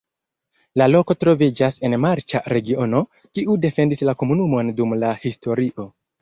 La loko troviĝas en marĉa regiono, kiu defendis la komunumon dum la historio.